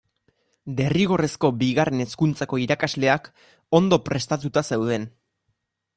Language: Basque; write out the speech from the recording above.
Derrigorrezko Bigarren Hezkuntzako irakasleak ondo prestatuta zeuden.